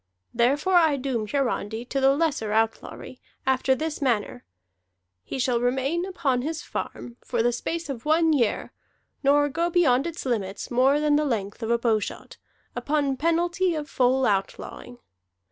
Therefore I doom Hiarandi to the lesser outlawry, after this manner: he shall remain upon his farm for the space of one year, nor go beyond its limits more than the length of a bowshot, upon penalty of full outlawing.